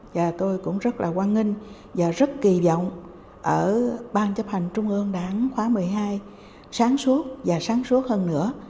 và tôi cũng rất là quan nghi và rất kỳ vọng ở ban chấp hành trung ương đảng khóa một mươi hai sáng suốt và sáng suốt hơn nữa